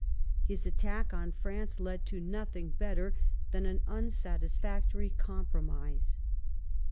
His attack on France led to nothing better than an unsatis factory compromise.